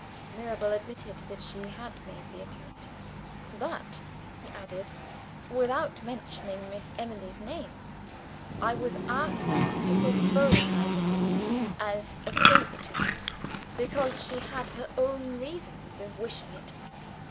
Mirabel admitted that she had made the attempt. "But," he added, "without mentioning Miss Emily's name. I was asked to postpone my visit, as a favor to herself, because she had her own reasons for wishing it.